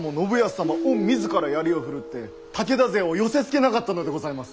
御自ら槍を振るって武田勢を寄せつけなかったのでございます。